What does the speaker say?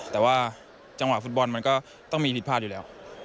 แต่ว่าจังหวะฟุตบอลมันก็ต้องมีผิดพลาดอยู่แล้ว